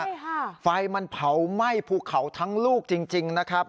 ใช่ค่ะไฟมันเผาไหม้ภูเขาทั้งลูกจริงจริงนะครับ